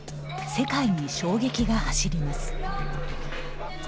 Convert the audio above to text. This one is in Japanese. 世界に衝撃が走ります。